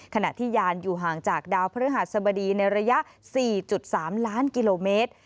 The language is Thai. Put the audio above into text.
ขณะที่ยานอยู่ห่างจากดาวพฤหัสบดีในระยะ๔๓ล้านกิโลเมตร